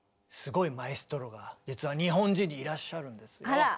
あら。